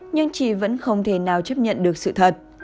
nhưng chị vẫn không thể nào chấp nhận được sự thật